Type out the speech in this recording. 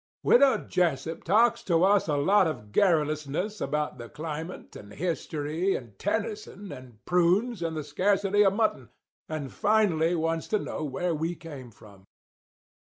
"Widow Jessup talks to us a lot of garrulousness about the climate and history and Tennyson and prunes and the scarcity of mutton, and finally wants to know where we came from.